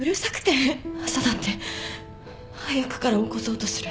朝だって早くから起こそうとする。